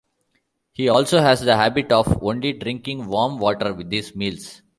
He also has the habit of only drinking warm water with his meals.